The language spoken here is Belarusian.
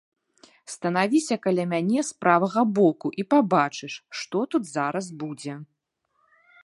Станавіся каля мяне з правага боку і пабачыш, што тут зараз будзе.